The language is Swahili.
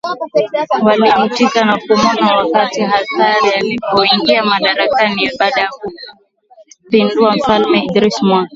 walimchikia na kumuona kuwa mtu hatari Alipoingia madarakani baada ya kumpindua Mfalme Idriss mwaka